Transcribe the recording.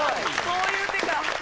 そういう手か。